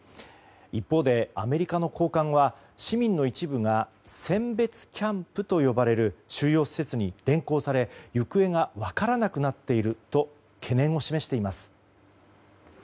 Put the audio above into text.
一方でアメリカの高官は市民の一部が選別キャンプと呼ばれる収容施設に連行され行方が分からなくなっていると懸念を示しています。